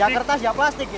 ya kertas ya plastik gitu